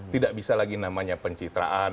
tidak bisa lagi namanya pencitraan